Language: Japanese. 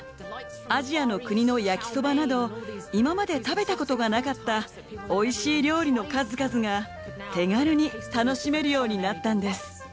アジアの国の焼きそばなど今まで食べたことがなかったおいしい料理の数々が手軽に楽しめるようになったんです。